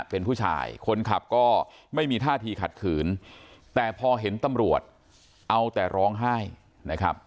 เป็นผู้ชายคนขับก็ไม่มีท่าทีขัดขืนแต่พอเห็นตำรวจเอาแต่ร้องไห้นะครับ